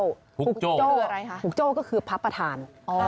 หุกโจ้อะไรคะหุกโจ้ก็คือพระประธาน